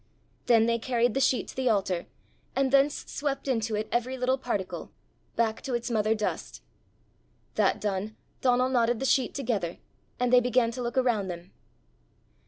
Then they carried the sheet to the altar, and thence swept into it every little particle, back to its mother dust. That done, Donal knotted the sheet together, and they began to look around them.